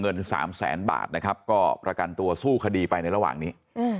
สามแสนบาทนะครับก็ประกันตัวสู้คดีไปในระหว่างนี้